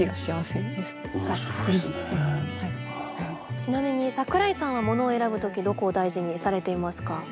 ちなみに櫻井さんはものを選ぶ時どこを大事にされていますか？